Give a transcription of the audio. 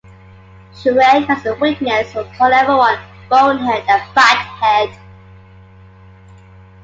Schreck has a weakness for calling everyone ‘Bonehead’ and ‘Fathead’.